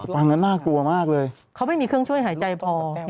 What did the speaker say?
ฟังแล้วน่ากลัวมากเลยเขาไม่มีเครื่องช่วยหายใจพอ